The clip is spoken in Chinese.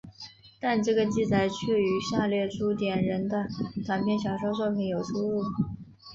但这个记载却与下列朱点人的短篇小说作品有出入。